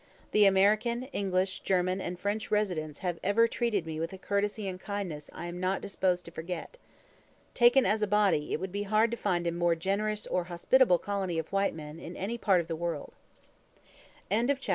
The American, English, German, and French residents have ever treated me with a courtesy and kindness I am not disposed to forget. Taken as a body, it would be hard to find a more generous or hospitable colony of white men in any part of the world. CHAPTER III.